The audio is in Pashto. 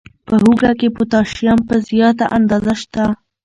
په هوږه کې پوتاشیم په زیاته اندازه شته.